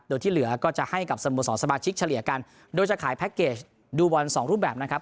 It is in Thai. โดยที่เหลือก็จะให้กับสโมสรสมาชิกเฉลี่ยกันโดยจะขายแพ็คเกจดูบอลสองรูปแบบนะครับ